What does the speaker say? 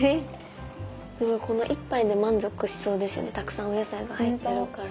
すごいこの１杯で満足しそうですよねたくさんお野菜が入ってるから。